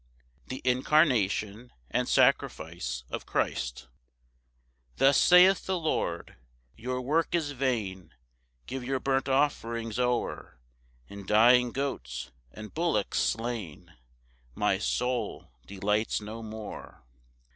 The incarnation and sacrifice of Christ. 1 Thus saith the Lord, "Your work is vain, "Give your burnt offerings o'er, "In dying goats and bullocks slain "My soul delights no more."